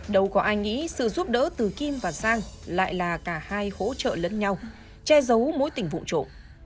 đâu có ai nghĩ sự giúp đỡ từ kim và giang lại là cả hai hỗ trợ lẫn nhau che giấu mối tình vụn trộm